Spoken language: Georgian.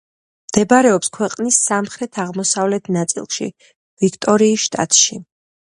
მდებარეობს ქვეყნის სამხრეთ-აღმოსავლეთ ნაწილში, ვიქტორიის შტატში.